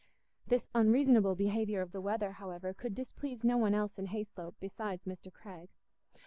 This unreasonable behaviour of the weather, however, could displease no one else in Hayslope besides Mr. Craig.